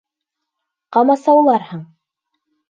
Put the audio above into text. Ҡамасауларһың.